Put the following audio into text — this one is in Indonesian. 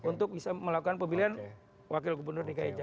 untuk bisa melakukan pemilihan wakil gubernur dki jakarta